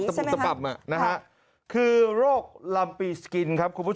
ก็คือโรครำปีสกิล